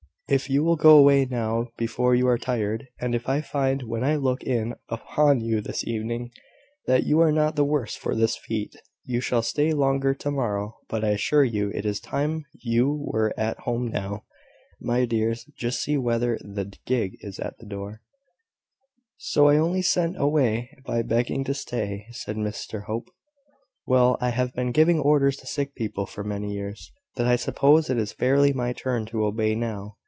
If you will go away now before you are tired, and if I find when I look in upon you this evening, that you are not the worse for this feat, you shall stay longer to morrow. But I assure you it is time you were at home now. My dears, just see whether the gig is at the door." "So I only get sent away by begging to stay," said Mr Hope. "Well, I have been giving orders to sick people for so many years, that I suppose it is fairly my turn to obey now.